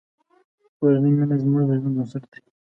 د کورنۍ مینه زموږ د ژوند بنسټ دی.